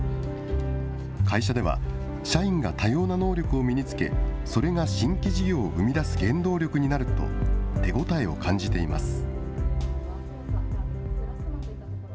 会社では、社員が多様な能力を身につけ、それが新規事業を生み出す原動力になると、手応えを感じています。